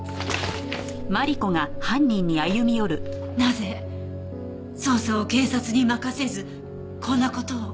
なぜ捜査を警察に任せずこんな事を？